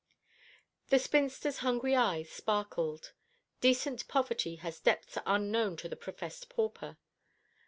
The spinster's hungry eyes sparkled. Decent poverty has depths unknown to the professed pauper.